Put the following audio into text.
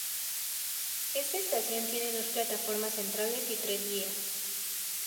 Esta estación tiene dos plataformas centrales y tres vías.